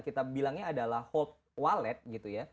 kita bilangnya adalah hold wallet gitu ya